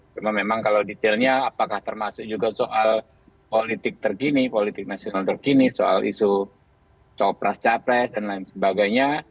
cuma memang kalau detailnya apakah termasuk juga soal politik terkini politik nasional terkini soal isu copras capres dan lain sebagainya